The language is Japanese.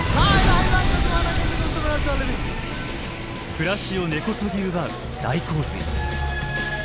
暮らしを根こそぎ奪う大洪水。